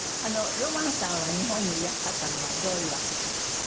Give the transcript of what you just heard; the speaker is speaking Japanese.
ロマンさんは日本にいらっしゃったのはどういうわけで？